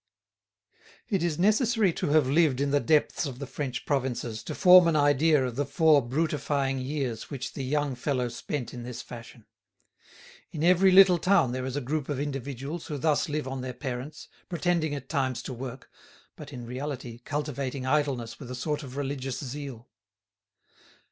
It is necessary to have lived in the depths of the French provinces to form an idea of the four brutifying years which the young fellow spent in this fashion. In every little town there is a group of individuals who thus live on their parents, pretending at times to work, but in reality cultivating idleness with a sort of religious zeal.